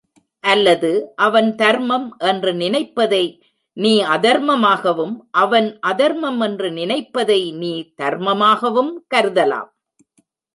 அல்லது அவன் தர்மம் என்று நினைப்பதை நீ அதர்மமாகவும், அவன் அதர்மம் என்று நினைப்பதை நீ தர்மமாகவும் கருதலாம்.